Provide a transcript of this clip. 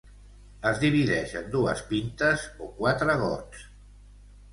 Es divideix en dues pintes o quatre gots.